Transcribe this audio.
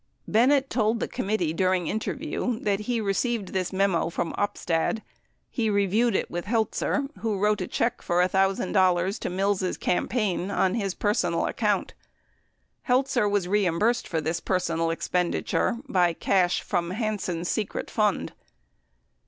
..." 91 Bennett told the committee during interview that he received this memo from Opstad. He reviewed it with Heltzer, who wrote a check for $1,000 to Mills' campaign on his personal account. Heltzer was reimbursed for this personal expenditure by cash from Hansen's secret fund.